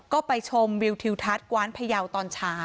ก็ไปชมวิวทิวทัศน์กว้านพยาวตอนเช้า